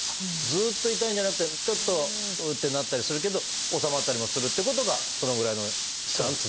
ずっと痛いんじゃなくてちょっと「うう」ってなったりするけど治まったりもするっていうことがそのぐらいの期間続く？